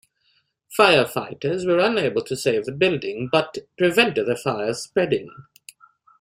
Firefighters were unable to save the building, but prevented the fire spreading.